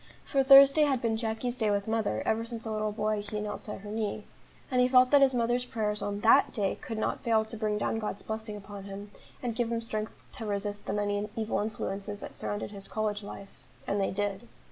For Thursday had been Jacky's day with mother, ever since a little boy he knelt at her knee; and he felt that his mother's prayers on that day could not fail to bring down God's blessing upon him, and give him strength to resist the many evil influences that surrounded his college life and they did.